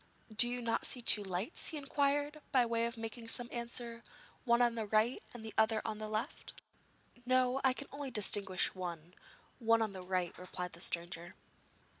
'Do you not see two lights?' he inquired by way of making some answer; 'one on the right and the other on the left.' 'No; I can only distinguish one one on the right,' replied the stranger.